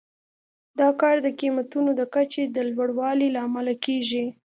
دا کار د قیمتونو د کچې د لوړوالي لامل کیږي.